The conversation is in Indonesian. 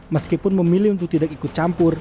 meskipun memilih untuk tidak ikut campur